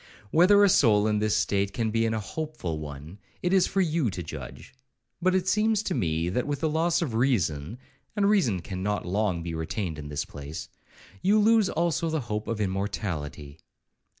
Whether a soul in this state can be in a hopeful one, it is for you to judge; but it seems to me, that with the loss of reason, (and reason cannot long be retained in this place), you lose also the hope of immortality.